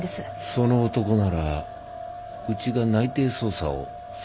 その男ならうちが内偵捜査を進めています。